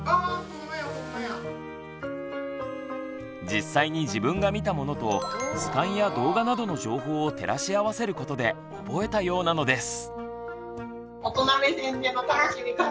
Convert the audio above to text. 実際に自分が見たものと図鑑や動画などの情報を照らし合わせることで覚えたようなのです。